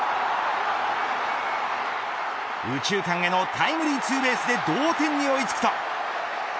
右中間へのタイムリーツーベースで同点に追い付くと。